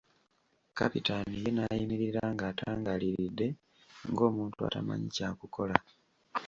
Kapitaani ye n'ayimirira ng'atangaaliridde ng'omuntu atamanyi kya kukola.